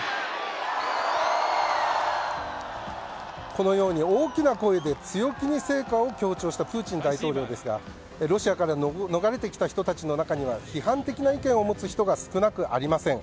このように、大きな声で強気に成果を強調したプーチン大統領ですがロシアから逃れてきた人たちの中には批判的な意見を持つ人が少なくありません。